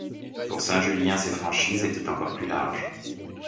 Pour Saint-Julien ses franchises étaient encore plus large.